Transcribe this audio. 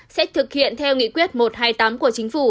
sẽ thực hiện theo nghị quyết một trăm hai mươi tám của chính phủ